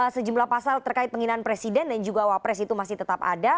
sebelah pasal terkait penginginan presiden dan juga awal pres itu masih tetap ada